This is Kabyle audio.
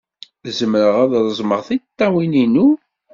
Zemreɣ ad reẓmeɣ tiṭṭawin-inu?